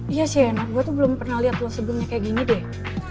iya sienna gue tuh belum pernah liat lo sebelumnya kayak gini deh